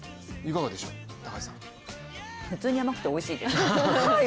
普通に甘くておいしいです。